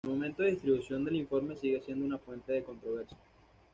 El momento de distribución del informe sigue siendo una fuente de controversia.